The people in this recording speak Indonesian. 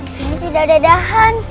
disini tidak ada dahan